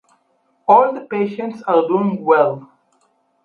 All the patients are doing well.